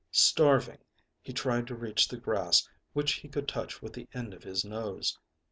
Starving, he tried to reach the grass which he could touch with the end of his nose.